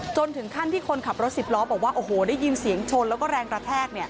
จนถึงขั้นที่คนขับรถสิบล้อบอกว่าโอ้โหได้ยินเสียงชนแล้วก็แรงกระแทก